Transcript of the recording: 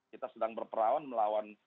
kita sedang berperawan melawan